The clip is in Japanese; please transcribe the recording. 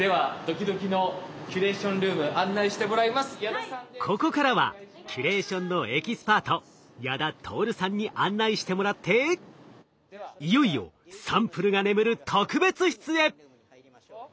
ではドキドキのここからはキュレーションのエキスパート矢田達さんに案内してもらっていよいよサンプルが眠る特別室へ！